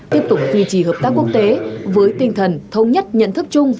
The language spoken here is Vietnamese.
tiếp tục duy trì hợp tác quốc tế với tinh thần thống nhất nhận thức chung